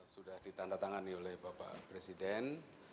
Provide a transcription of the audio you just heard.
sudah ditantang tangani oleh bapak presiden